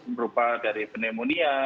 berupa dari pneumonia